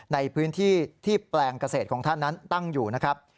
ในพื้นที่ที่แปลงเกษตรของท่านนั้นตั้งอยู่นะครับ